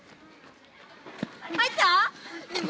入った？